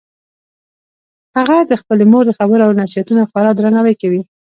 هغه د خپلې مور د خبرو او نصیحتونو خورا درناوی کوي